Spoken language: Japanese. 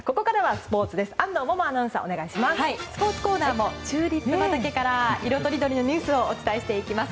スポーツコーナーもチューリップ畑から色とりどりのニュースをお伝えしていきます。